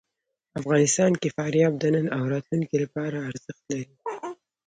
افغانستان کې فاریاب د نن او راتلونکي لپاره ارزښت لري.